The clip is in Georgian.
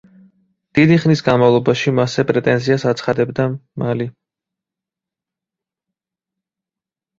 დიდი ხნის განმავლობაში მასზე პრეტენზიას აცხადებდა მალი.